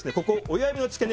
親指の付け根